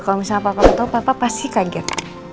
kalau misalnya papa ketemu papa pasti kaget